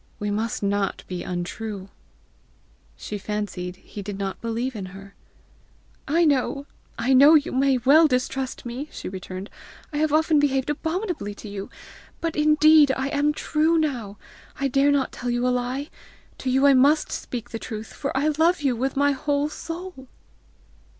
We must not be untrue!" She fancied he did not believe in her. "I know! I know! you may well distrust me!" she returned. "I have often behaved abominably to you! But indeed I am true now! I dare not tell you a lie. To you I MUST speak the truth, for I love you with my whole soul."